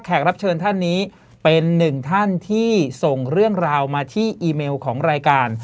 รับเชิญท่านนี้เป็นหนึ่งท่านที่ส่งเรื่องราวมาที่อีเมลของรายการ